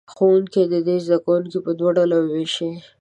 ښوونکي دې زه کوونکي په دوو ډلو ووېشي.